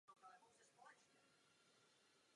Současný prezident Mubarak nenabízí žádnou naději.